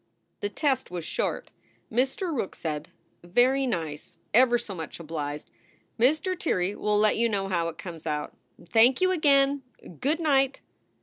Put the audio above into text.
The test was short. Mr. Rookes said: " Very nice. Ever so much obliged. Mr. Tirrey will let you know how it comes out. Thank you again. Good night!"